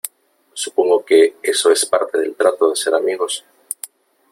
supongo que eso es parte del trato de ser amigos .